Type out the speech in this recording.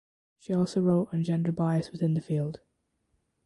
She also wrote on gender bias within the field.